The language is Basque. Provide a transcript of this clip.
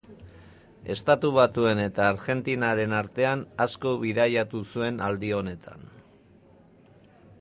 Estatu Batuen eta Argentinaren artean asko bidaiatu zuen aldi honetan.